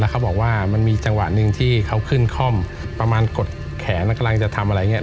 เขาบอกว่ามันมีจังหวะหนึ่งที่เขาขึ้นคล่อมประมาณกดแขนแล้วกำลังจะทำอะไรอย่างนี้